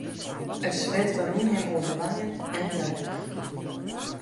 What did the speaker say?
It swit rûn him oer de wangen en de rêch.